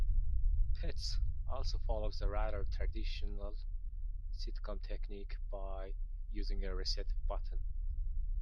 "Pets" also follows a rather traditional sitcom technique by using a "reset button".